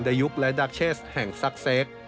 ไดยุคและดักเชสแห่งศักดิ์เศก